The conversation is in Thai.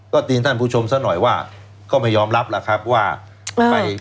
ก็ตีนท่านผู้ชมซะหน่อยว่าก็ไม่ยอมรับล่ะครับว่าไป